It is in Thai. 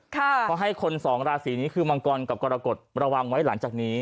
เพราะให้คนสองราศีนี้คือมังกรกับกรกฎระวังไว้หลังจากนี้